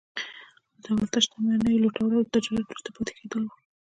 د دولتي شتمنیو لوټول او د تجارت وروسته پاتې کېدل وو.